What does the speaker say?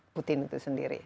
putin itu sendiri